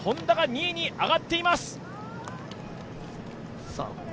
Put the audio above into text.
Ｈｏｎｄａが２位に上がっています。